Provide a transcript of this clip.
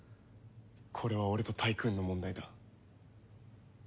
これは俺とタイクーンの問題だ。